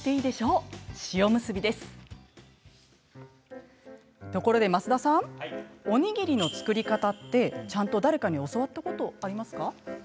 ところで増田さんおにぎりの作り方って、ちゃんと誰かに教わったことあります？